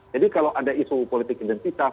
jadi kalau ada isu politik identitas